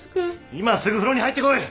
今すぐ風呂に入ってこい！